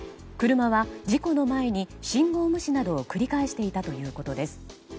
車は事故の前に信号無視などを繰り返していたということです。